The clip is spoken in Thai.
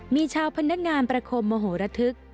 มีชาวพนักงานประคมโมโหระทึก